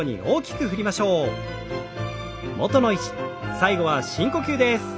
最後は深呼吸です。